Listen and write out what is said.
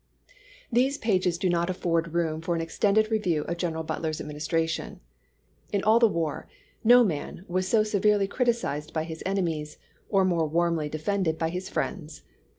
These pages do not afford room for an extended review of General Butler's administration. In all the war no man was so severely criticized by his ene mies or more warmly defended by his friends.